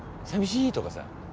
「さみしい」とかさ